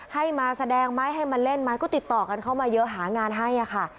ให้มาแสดงไหมให้มาเล่นไหมก็ติดต่อกันเข้ามาเยอะหางานให้ค่ะ